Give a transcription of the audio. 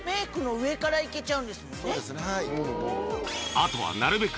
あとはなるべく